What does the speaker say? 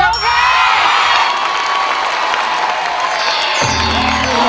ร้องได้ให้ร้อง